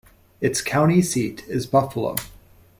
Its county seat is Buffalo.